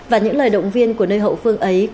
và những lời động viên của nơi hậu phương ấy